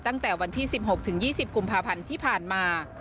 ตั้งแต่วันที่๑๖๒๐กุมภาพันธ์ที่ผ่านมา